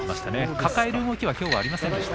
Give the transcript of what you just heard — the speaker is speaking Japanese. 抱える動きはありませんでした。